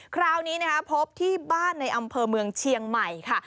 คราวนี้นะคะพบที่บ้านในอำเภอเมืองเชียงใหม่ค่ะ